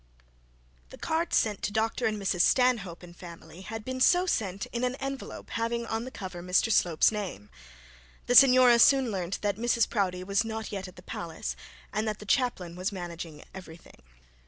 The card sent to Dr and Mrs Stanhope and family, had been sent in an envelope, having on the cover Mr Slope's name. The signora soon learnt that Mrs Proudie was not yet at the palace, and that the chaplain was managing everything.